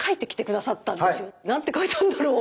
何て書いたんだろう？